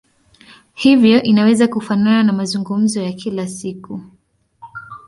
Hivyo inaweza kufanana na mazungumzo ya kila siku.